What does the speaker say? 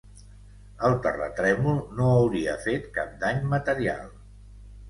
El terratrèmol no hauria fet cap dany material.